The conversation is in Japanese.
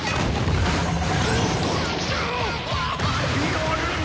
やるな！